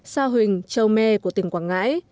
sa huỳnh châu mê của tỉnh quảng ngãi